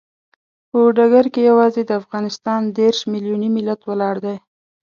په ډګر کې یوازې د افغانستان دیرش ملیوني ملت ولاړ دی.